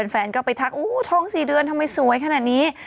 แฟนก็ไปทักท้อง๔เดือนทำไมสวยขนาดนี้